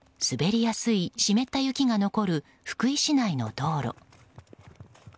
滑りやすい湿った雪が残る福井市内の道路。